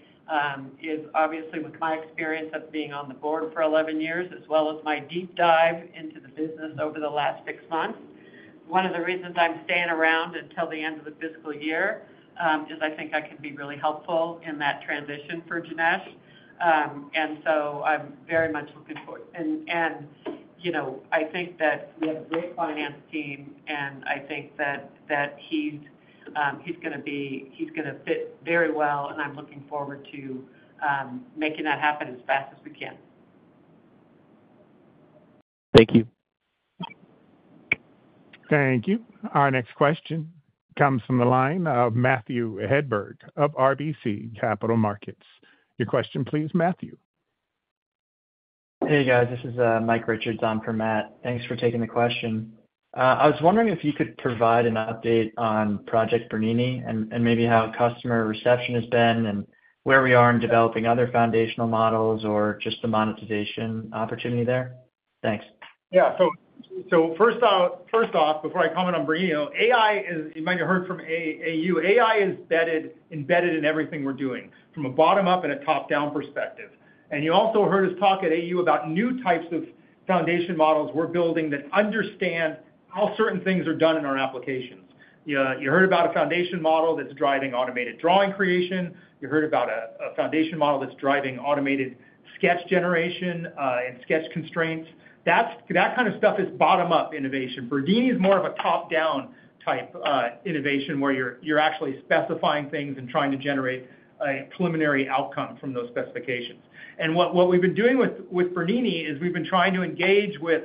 [SPEAKER 4] is, obviously, with my experience of being on the board for 11 years, as well as my deep dive into the business over the last six months, one of the reasons I'm staying around until the end of the fiscal year is I think I can be really helpful in that transition for Janesh. And so I'm very much looking forward. And I think that we have a great finance team, and I think that he's going to fit very well, and I'm looking forward to making that happen as fast as we can.
[SPEAKER 12] Thank you.
[SPEAKER 1] Thank you. Our next question comes from the line of Matthew Hedberg of RBC Capital Markets. Your question, please, Matthew.
[SPEAKER 13] Hey, guys. This is Mike Richards, on for Matt. Thanks for taking the question. I was wondering if you could provide an update on Project Bernini and maybe how customer reception has been and where we are in developing other foundational models or just the monetization opportunity there. Thanks.
[SPEAKER 3] Yeah. So first off, before I comment on Bernini, AI is, you might have heard from AU, AI is embedded in everything we're doing from a bottom-up and a top-down perspective. And you also heard us talk at AU about new types of foundation models we're building that understand how certain things are done in our applications. You heard about a foundation model that's driving automated drawing creation. You heard about a foundation model that's driving automated sketch generation and sketch constraints. That kind of stuff is bottom-up innovation. Bernini is more of a top-down type innovation where you're actually specifying things and trying to generate a preliminary outcome from those specifications. And what we've been doing with Bernini is we've been trying to engage with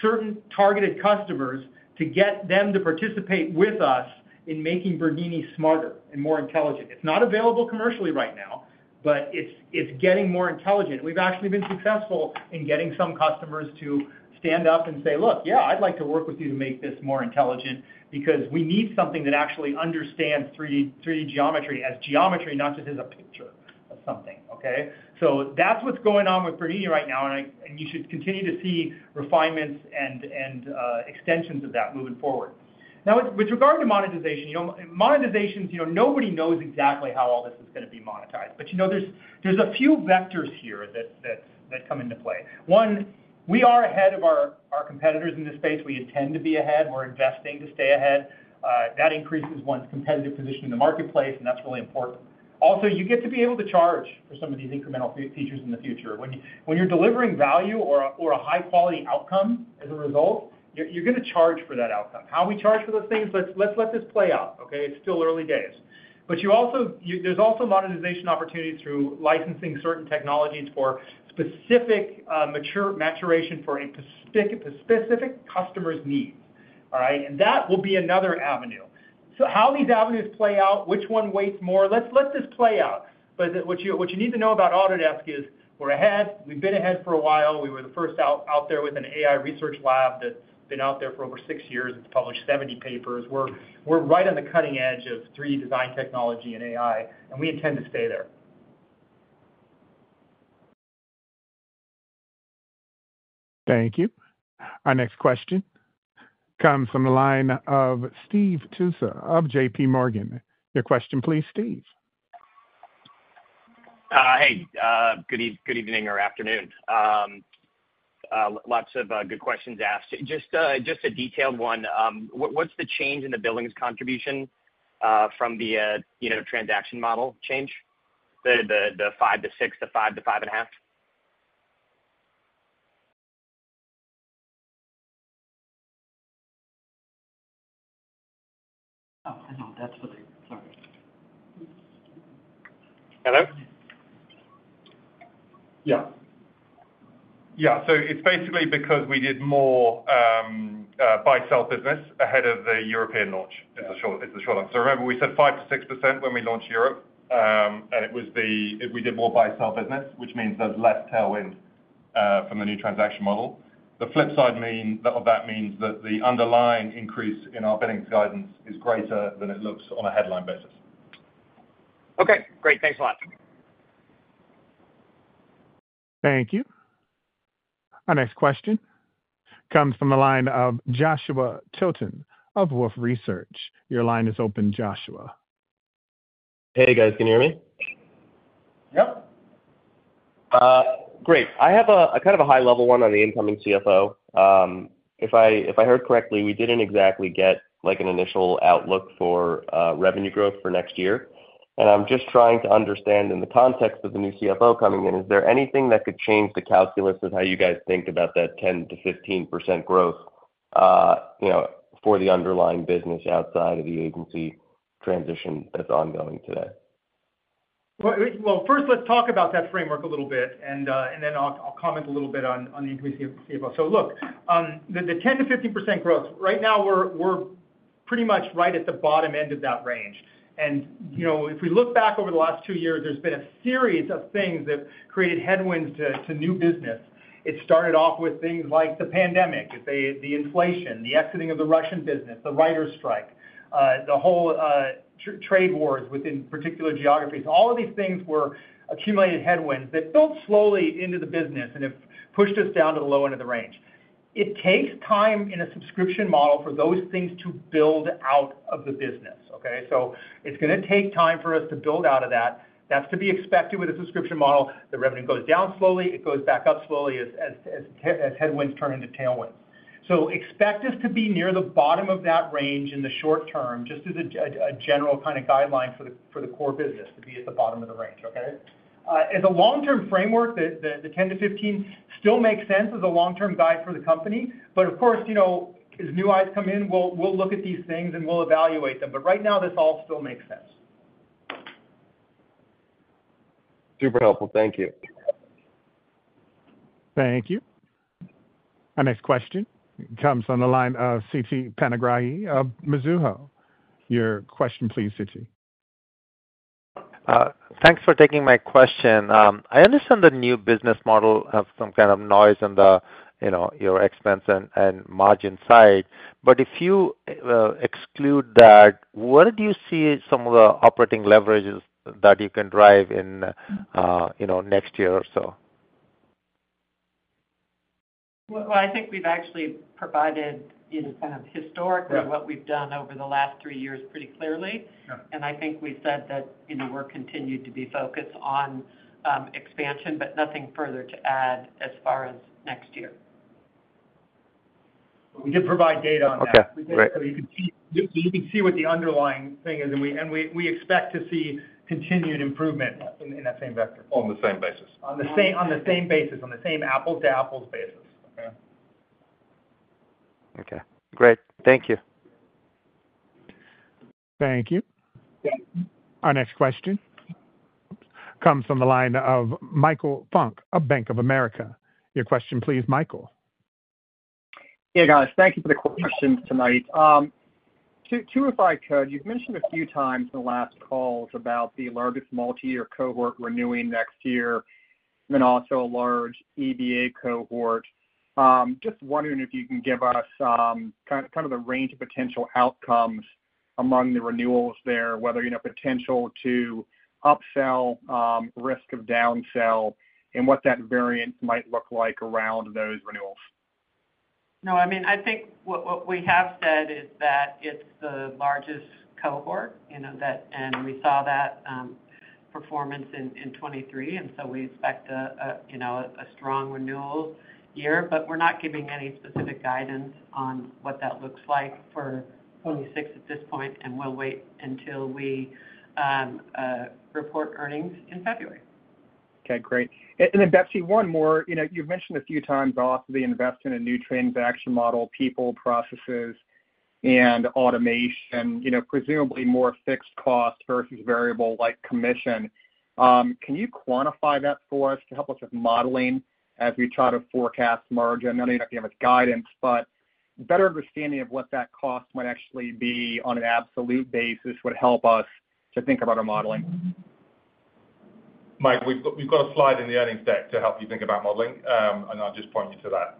[SPEAKER 3] certain targeted customers to get them to participate with us in making Bernini smarter and more intelligent. It's not available commercially right now, but it's getting more intelligent. We've actually been successful in getting some customers to stand up and say, "Look, yeah, I'd like to work with you to make this more intelligent because we need something that actually understands 3D geometry as geometry, not just as a picture of something." Okay? So that's what's going on with Bernini right now, and you should continue to see refinements and extensions of that moving forward. Now, with regard to monetization, monetizations, nobody knows exactly how all this is going to be monetized. But there's a few vectors here that come into play. One, we are ahead of our competitors in this space. We intend to be ahead. We're investing to stay ahead. That increases one's competitive position in the marketplace, and that's really important. Also, you get to be able to charge for some of these incremental features in the future. When you're delivering value or a high-quality outcome as a result, you're going to charge for that outcome. How we charge for those things, let's let this play out. Okay? It's still early days. But there's also monetization opportunities through licensing certain technologies for specific maturation for a specific customer's needs. All right? And that will be another avenue. So how these avenues play out, which one weighs more, let's let this play out. But what you need to know about Autodesk is we're ahead. We've been ahead for a while. We were the first out there with an AI research lab that's been out there for over six years. It's published 70 papers. We're right on the cutting edge of 3D design technology and AI, and we intend to stay there.
[SPEAKER 1] Thank you. Our next question comes from the line of Steve Tusa of JPMorgan. Your question, please, Steve.
[SPEAKER 14] Hey. Good evening or afternoon. Lots of good questions asked. Just a detailed one. What's the change in the billings contribution from the transaction model change, the 5%-6%, the 5%-5.5%?
[SPEAKER 2] Hello? Yeah. Yeah. So it's basically because we did more buy-sell business ahead of the European launch. It's a short answer. So remember, we said 5%-6% when we launched Europe, and it was the, we did more buy-sell business, which means there's less tailwind from the new transaction model. The flip side of that means that the underlying increase in our billings guidance is greater than it looks on a headline basis.
[SPEAKER 14] Okay. Great. Thanks a lot.
[SPEAKER 1] Thank you. Our next question comes from the line of Joshua Tilton of Wolfe Research. Your line is open, Joshua.
[SPEAKER 15] Hey, guys. Can you hear me?
[SPEAKER 3] Yep.
[SPEAKER 15] Great. I have a kind of a high-level one on the incoming CFO. If I heard correctly, we didn't exactly get an initial outlook for revenue growth for next year. And I'm just trying to understand, in the context of the new CFO coming in, is there anything that could change the calculus of how you guys think about that 10%-15% growth for the underlying business outside of the channel transition that's ongoing today?
[SPEAKER 3] Well, first, let's talk about that framework a little bit, and then I'll comment a little bit on the incoming CFO. So look, the 10%-15% growth, right now, we're pretty much right at the bottom end of that range. And if we look back over the last two years, there's been a series of things that created headwinds to new business. It started off with things like the pandemic, the inflation, the exiting of the Russian business, the writers' strike, the whole trade wars within particular geographies. All of these things were accumulated headwinds that built slowly into the business and have pushed us down to the low end of the range. It takes time in a subscription model for those things to build out of the business. Okay? So it's going to take time for us to build out of that. That's to be expected with a subscription model. The revenue goes down slowly. It goes back up slowly as headwinds turn into tailwinds. So expect us to be near the bottom of that range in the short term, just as a general kind of guideline for the core business to be at the bottom of the range. Okay? As a long-term framework, the 10%-15% still makes sense as a long-term guide for the company. But of course, as new eyes come in, we'll look at these things and we'll evaluate them. But right now, this all still makes sense.
[SPEAKER 15] Super helpful. Thank you.
[SPEAKER 1] Thank you. Our next question comes from the line of Siti Panigrahi of Mizuho. Your question, please, Siti.
[SPEAKER 16] Thanks for taking my question. I understand the new business model has some kind of noise on your expense and margin side. But if you exclude that, where do you see some of the operating leverages that you can drive in next year or so?
[SPEAKER 4] Well, I think we've actually provided kind of historically what we've done over the last three years pretty clearly. And I think we said that we're continued to be focused on expansion, but nothing further to add as far as next year.
[SPEAKER 3] We did provide data on that. So you can see what the underlying thing is. And we expect to see continued improvement in that same vector.
[SPEAKER 2] On the same basis.
[SPEAKER 3] On the same basis. On the same apples-to-apples basis. Okay.
[SPEAKER 16] Okay. Great. Thank you.
[SPEAKER 1] Thank you. Our next question comes from the line of Michael Funk of Bank of America. Your question, please, Michael.
[SPEAKER 17] Hey, guys. Thank you for the questions tonight. Two if I could. You've mentioned a few times in the last calls about the largest multi-year cohort renewing next year, and then also a large EBA cohort. Just wondering if you can give us kind of the range of potential outcomes among the renewals there, whether potential to upsell, risk of downsell, and what that variance might look like around those renewals.
[SPEAKER 4] No, I mean, I think what we have said is that it's the largest cohort. And we saw that performance in 2023, and so we expect a strong renewal year. But we're not giving any specific guidance on what that looks like for 2026 at this point, and we'll wait until we report earnings in February.
[SPEAKER 17] Okay. Great. And then, Betsy, one more. You've mentioned a few times also the investment in new transaction model, people, processes, and automation, presumably more fixed cost versus variable-like commission. Can you quantify that for us to help us with modeling as we try to forecast margin? I know you're not going to give us guidance, but a better understanding of what that cost might actually be on an absolute basis would help us to think about our modeling.
[SPEAKER 2] Mike, we've got a slide in the earnings deck to help you think about modeling, and I'll just point you to that.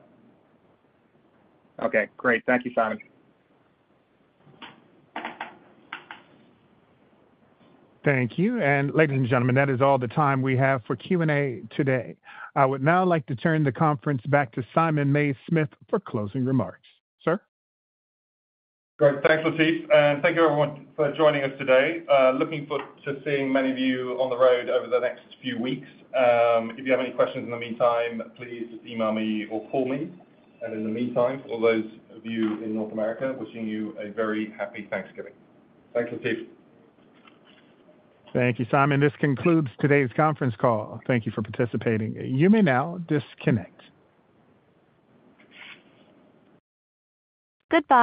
[SPEAKER 17] Okay. Great. Thank you, Simon.
[SPEAKER 1] Thank you. And ladies and gentlemen, that is all the time we have for Q&A today. I would now like to turn the conference back to Simon Mays-Smith for closing remarks. Sir?
[SPEAKER 2] Great. Thanks, Latif. And thank you, everyone, for joining us today. Looking forward to seeing many of you on the road over the next few weeks. If you have any questions in the meantime, please email me or call me. And in the meantime, for those of you in North America, wishing you a very happy Thanksgiving. Thanks, Latif.
[SPEAKER 1] Thank you, Simon. This concludes today's conference call. Thank you for participating. You may now disconnect. Goodbye.